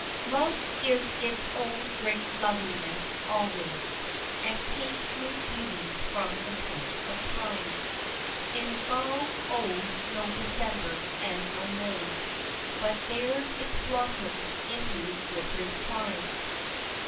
"Love is its own great loveliness always, And takes new beauties from the touch of time; Its bough owns no December and no May, But bears its blossoms into winter's clime."